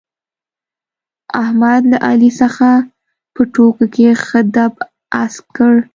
احمد له علي څخه په ټوکو کې ښه دپ اسک کړ.